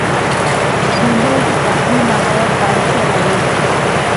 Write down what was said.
بېنډۍ د پخلي مهارت ته اړتیا لري